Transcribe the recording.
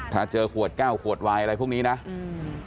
ถ้าเจอขวดแก้วขวดวายอะไรพวกนี้นะอืม